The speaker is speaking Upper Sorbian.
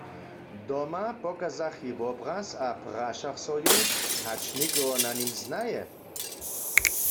Doma pokazach jej wobraz a prašach so ju, hač někoho na nim znaje.